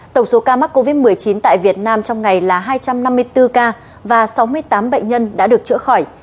tổng số ca mắc covid một mươi chín tại việt nam trong ngày là hai trăm năm mươi bốn ca và sáu mươi tám bệnh nhân đã được chữa khỏi